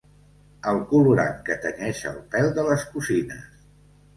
El colorant que tenyeix el pèl de les cosines.